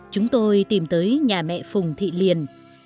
chúng tôi tìm tới nhà mẹ phùng thị liền